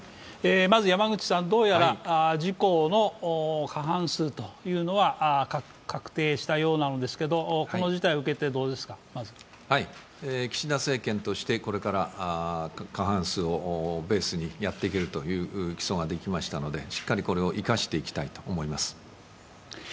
山口さん、どうやら自・公の過半数というのは確定したようなのですけど、この事態を受けてどうですか、まず岸田政権としてこれから過半数をベースにやっていける基礎ができましたので、しっかりこれを生かしていきたいと思います。